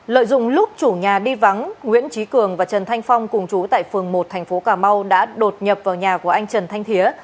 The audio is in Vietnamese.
lợi dụng lúc chủ nhà đi vắng nguyễn trí cường và trần thanh phong cùng chú tại phường một thành phố cà mau đã đột nhập vào nhà của anh trần thanh thía